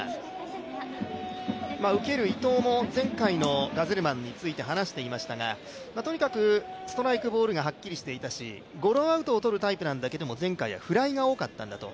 受ける伊藤も前回のガゼルマンについて話していましたがとにかく、ストライクボールがはっきりしていたしゴロアウトを取るタイプなんだけど前回はフライが多かったと。